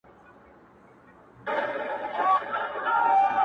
جانانه څوک ستا د زړه ورو قدر څه پیژني!!